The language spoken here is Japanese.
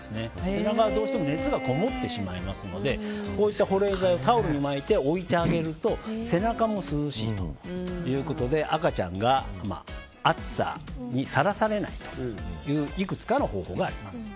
背中はどうしても熱がこもってしまいますので保冷剤をタオルに巻いて置いてあげると背中も涼しいということで赤ちゃんが暑さにさらされないといういくつかの方法があります。